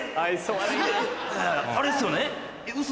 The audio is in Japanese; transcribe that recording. あれっすよね？